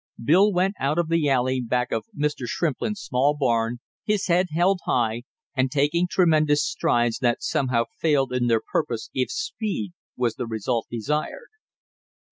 Bill went out of the alley back of Mr. Shrimplin's small barn, his head held high, and taking tremendous strides that somehow failed in their purpose if speed was the result desired.